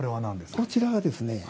こちらがですね